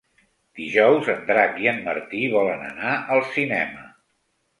Dijous en Drac i en Martí volen anar al cinema.